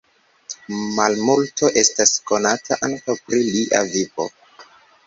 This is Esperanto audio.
Malmulto estas konata ankaŭ pri lia vivo.